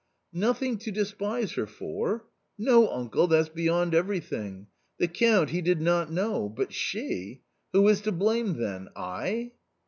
"Nothing to despise her for! no, uncle, that's beyond everything ! The Count, he did not know ! but she ! Who is to blame then ? I